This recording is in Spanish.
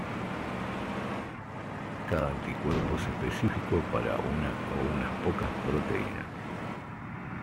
Cada anticuerpo es específico para una o unas pocas proteínas.